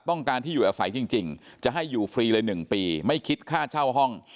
ต้องการที่อยู่อาศัยจริงจะให้อยู่ฟรีเลย๑ปีไม่คิดค่าเช่าห้อง